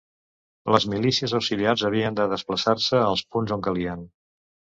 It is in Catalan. Les milícies auxiliars havien de desplaçar-se als punts on calien.